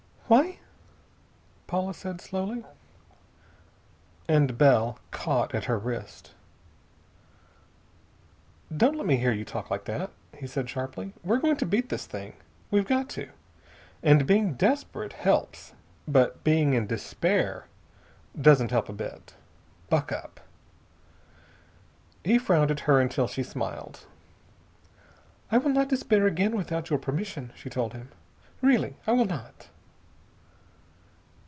"Why?" Paula said slowly. And Bell caught at her wrist. "Don't let me hear you talk like that!" he said sharply. "We're going to beat this thing! We've got to! And being desperate helps, but being in despair doesn't help a bit. Buck up!" He frowned at her until she smiled. "I will not despair again without your permission," she told him. "Really. I will not."